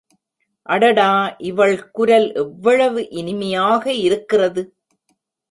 அடடா இவள் குரல் எவ்வளவு இனிமையாக இருக்கிறது.